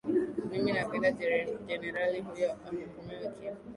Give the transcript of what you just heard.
mimi napenda jenerali huyu ahukumiwe kifo